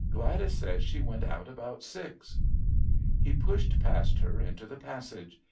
Gladys says she went out about six." He pushed past her into the passage.